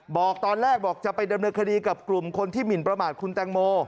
บอกตอนแรกบอกจะไปดำเนินคดีกับกลุ่มคนที่หมินประมาทคุณแตงโม